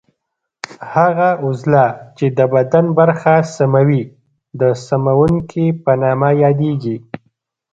هغه عضله چې د بدن برخه سموي د سموونکې په نامه یادېږي.